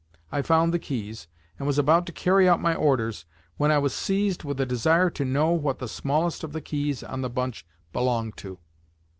I found the keys, and was about to carry out my orders, when I was seized with a desire to know what the smallest of the keys on the bunch belonged to.